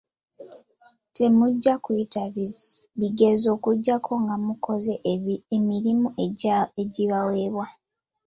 Temuggya kuyita bigezo okujjako nga mukoze emirimu egibaweebwa.